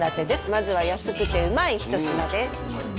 まずは安くてうまい一品です